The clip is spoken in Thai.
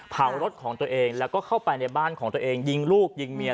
เผารถของตัวเองแล้วก็เข้าไปในบ้านของตัวเองยิงลูกยิงเมีย